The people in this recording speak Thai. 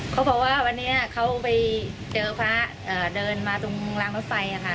เขาบอกว่าวันนี้เขาไปเจอพระเดินมาตรงรางรถไฟค่ะ